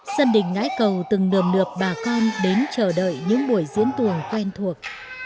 dân đình ngãi cầu từng nườm lượp bà con đến chờ đợi những buổi diễn tuồng quen thuộc